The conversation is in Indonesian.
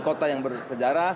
kota yang bersejarah